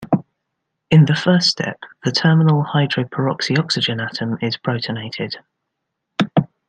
In the first step, the terminal hydroperoxy oxygen atom is protonated.